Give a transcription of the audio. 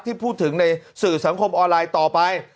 ที่พูดถึงในสื่อสังคมออนไลน์ต่อไป